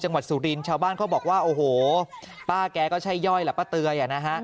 จังหวัดสุรินชาวบ้านเขาบอกว่าโอ้โหป้าแกก็ใช่ย่อยแหละป้าเตือย